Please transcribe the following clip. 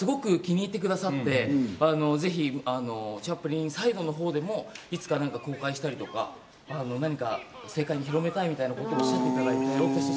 すごく気に入ってまして、ぜひチャップリンサイドのほうでも、いつか公開したりとか、世界に広めたいみたいなことをおっしゃっていただきました。